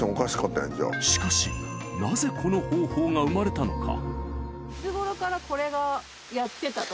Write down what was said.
しかしなぜこの方法が生まれたのか？